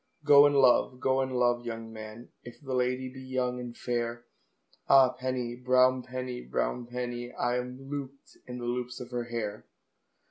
"Go and love, go and love, young man, If the lady be young and fair," Ah, penny, brown penny, brown penny, I am looped in the loops of her hair.